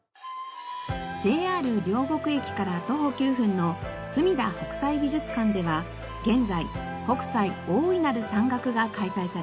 ＪＲ両国駅から徒歩９分のすみだ北斎美術館では現在「北斎大いなる山岳」が開催されています。